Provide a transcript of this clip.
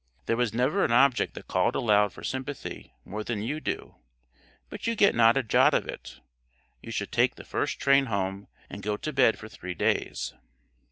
There was never an object that called aloud for sympathy more than you do, but you get not a jot of it. You should take the first train home and go to bed for three days.